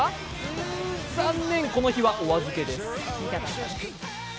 ん残念、この日はお預けです。